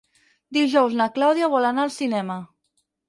Dijous na Clàudia vol anar al cinema.